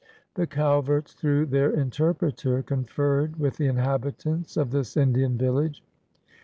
The CaJverts, through their interpreter, con ferred with the inhabitants of this Indian village.